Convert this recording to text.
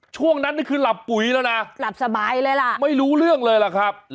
ช่วงนั้นนี่คือหลับปุ๋ยแล้วนะไม่รู้เรื่องเลยล่ะครับหลับสบายเลยล่ะครับ